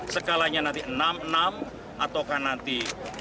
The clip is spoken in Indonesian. sekalanya nanti enam enam ataukan nanti